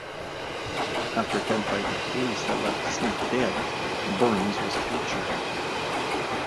After a gunfight with police that left Smith dead, Burns was captured.